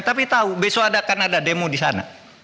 tapi tau besok akan ada demo disana